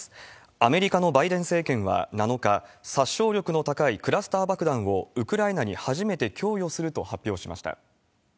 アメリカのバイデン政権は７日、殺傷力の高いクラスター爆弾を、ウクライナに初めて供与すると発表しました。